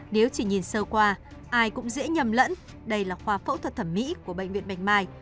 nếu chỉ nhìn sơ qua ai cũng dễ nhầm lẫn đây là khoa phẫu thuật thẩm mỹ của bệnh viện bạch mai